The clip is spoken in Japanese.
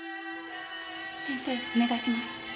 先生お願いします。